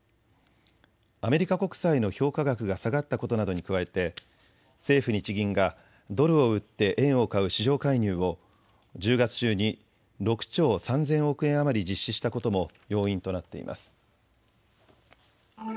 アメリカ国債の評価額が下がったことなどに加えて、政府・日銀ががドルを売って円を買う市場介入を１０月中に６兆３０００億円余り実施したことも要因となっています。